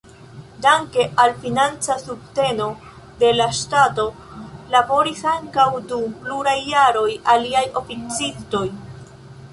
Danke al financa subteno de la ŝtato, laboris ankaŭ dum pluraj jaroj aliaj oficistoj.